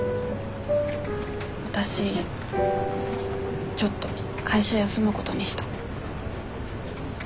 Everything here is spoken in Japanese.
わたしちょっと会社休むことにした。